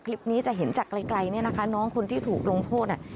คลิปนี้จะเห็นจากไกลเนี่ยนะคะน้องคนที่ถูกลงโทษเนี่ย